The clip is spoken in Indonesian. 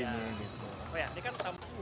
oh ya ini kan sama